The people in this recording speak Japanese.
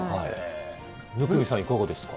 生見さん、いかがですか。